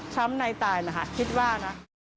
ช้ำในตายนะฮะคิดว่านะ